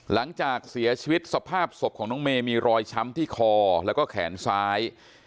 หลังจากเสียชีวิตสภาพศพของน้องเมย์มีรอยช้ำที่คอแล้วก็แขนซ้าย